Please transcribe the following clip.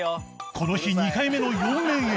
この日２回目の４面へ